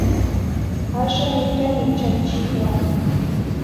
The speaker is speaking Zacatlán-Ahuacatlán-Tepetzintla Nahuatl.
Axan nican nichanchiua.